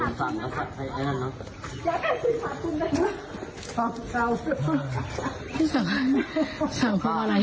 ไม่ได้ถึงสม